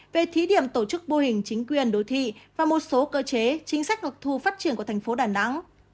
về thí điểm tổ chức bô hình chính quyền đối thị và một số cơ chế chính sách ngược thu phát triển của thành phố đà nẵng